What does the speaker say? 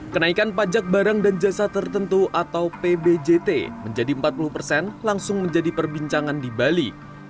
kenaikan pajak barang dan jasa tertentu atau pbjt menjadi empat puluh persen langsung menjadi perbincangan di bali